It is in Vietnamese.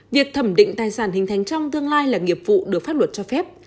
việc thẩm định tài sản hình thành trong tương lai là nghiệp vụ được pháp luật cho phép